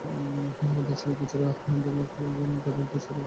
দার্শনিক বিচারে আনন্দমার্গ বেদান্তে এবং সাধনাগত বিচারে যোগদর্শনে বিশ্বাসী।